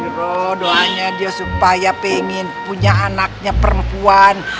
aduh doanya dia supaya pengen punya anaknya perempuan